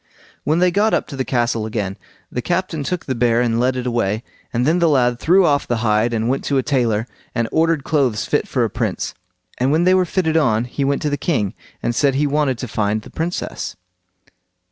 When they got up to the castle again, the captain took the bear and led it away, and then the lad threw off the hide, and went to a tailor and ordered clothes fit for a prince; and when they were fitted on he went to the king, and said he wanted to find the Princess.